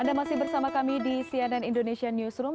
anda masih bersama kami di cnn indonesia newsroom